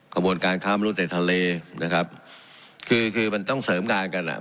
กระบวนการค้ามนุษย์ในทะเลนะครับคือคือมันต้องเสริมงานกันอ่ะ